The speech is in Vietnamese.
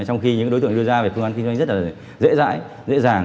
trong khi những đối tượng đưa ra về phương án kinh doanh rất là dễ dãi dễ dàng